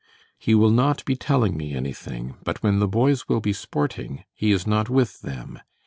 He will not be telling me anything, but when the boys will be sporting, he is not with them.